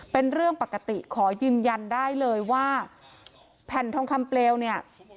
เป็นเรื่องปกติขอยืนยันได้เลยว่าแผ่นทองคำเปลวเนี่ย